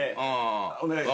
お願いします。